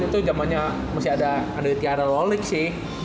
itu jamannya masih ada andretti ararolik sih